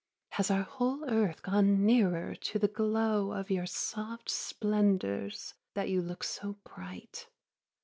Has our whole earth gone nearer to the glow Of your soft splendours that you look so bright?